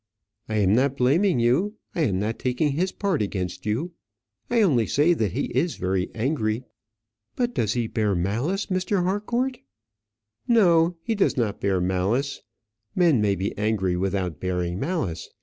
"I am not blaming you. I am not taking his part against you. I only say that he is very angry." "But does he bear malice, Mr. Harcourt?" "No, he does not bear malice; men may be angry without bearing malice.